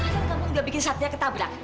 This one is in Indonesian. tadi kamu juga bikin satria ketabrak